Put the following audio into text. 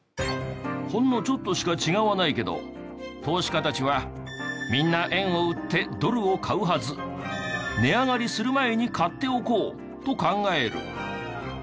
ほんのちょっとしか違わないけど投資家たちは「みんな円を売ってドルを買うはず」「値上がりする前に買っておこう」と考える。